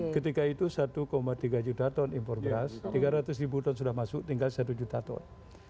ketika itu satu tiga juta ton impor beras tiga ratus ribu ton sudah masuk tinggal satu juta ton